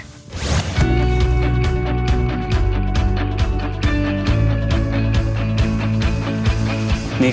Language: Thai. อัศวินด้วย